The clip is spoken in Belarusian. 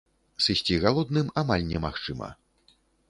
Сысці галодным амаль немагчыма.